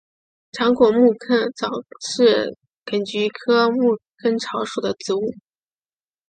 长果牧根草是桔梗科牧根草属的植物。